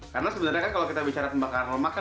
karena sebenarnya kan kalau kita bicara ngebakar lemak kan